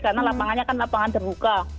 karena lapangannya kan lapangan terbuka